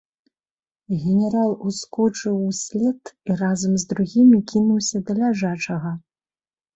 Генерал скочыў услед і разам з другімі кінуўся да ляжачага.